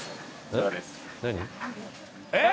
えっ！？